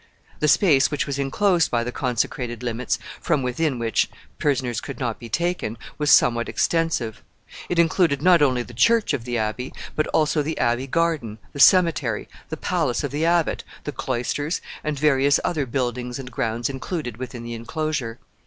The space which was inclosed by the consecrated limits, from within which prisoners could not be taken, was somewhat extensive. It included not only the church of the Abbey, but also the Abbey garden, the cemetery, the palace of the abbot, the cloisters, and various other buildings and grounds included within the inclosure.